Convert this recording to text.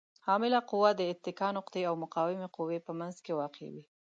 عامله قوه د اتکا نقطې او مقاومې قوې په منځ کې واقع وي.